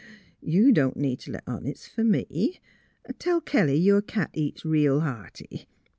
You don't need t' let on it's fer me. Tell Kelly your cat eats reel hearty.